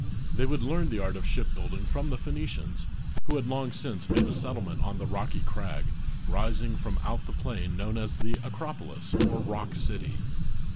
They would learn the art of shipbuilding from the Phoenicians, who had long since made a settlement on the rocky crag, rising from out the plain known as the Acropolis, or Rock City.